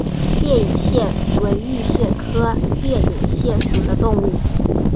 裂隐蟹为玉蟹科裂隐蟹属的动物。